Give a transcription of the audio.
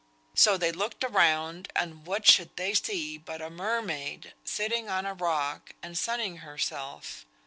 So they looked around, and what should they see but a mermaid, sitting on a rock, and sunning herself.